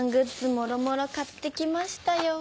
もろもろ買ってきましたよ！